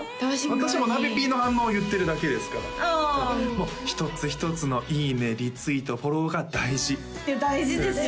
私はなべＰの反応を言ってるだけですから一つ一つのいいねリツイートフォローが大事大事ですよ